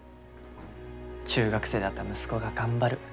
中学生だった息子が頑張る。